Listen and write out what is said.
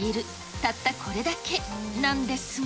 たったこれだけなんですが。